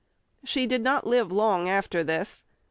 She did not live long after this.